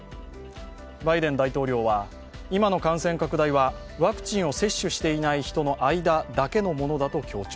バイデン大統領は、今の感染拡大はワクチンを接種していない人の間だけのものだと強調。